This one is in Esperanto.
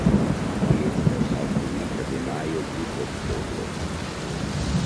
Ĝi estas malfermita de majo ĝis oktobro.